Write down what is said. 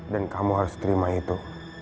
dan kamu harus terima itu